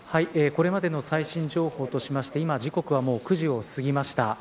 これまでの最新情報としまして今時刻は９時を過ぎました。